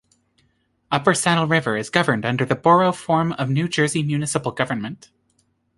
Upper Saddle River is governed under the Borough form of New Jersey municipal government.